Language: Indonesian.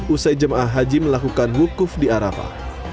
usai jemaah haji melakukan wukuf di arafah